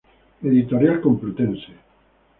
Editorial Complutense.